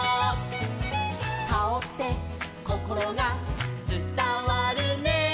「カオってこころがつたわるね」